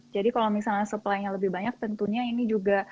jadi kalau misalnya supply nya lebih banyak tentunya ini juga